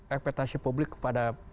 ekspektasi publik kepada